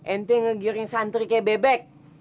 entik ngegiring santri kayak bebek